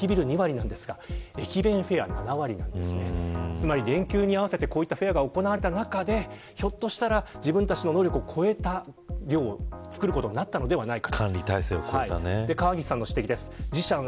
つまり、連休に合わせてフェアが行われた中でひょっとしたら自分たちの労力を超えた量を作ることになったのではないか。